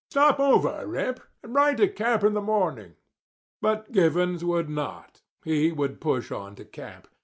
"Stop over, Rip, and ride to camp in the morning." But Givens would not. He would push on to camp.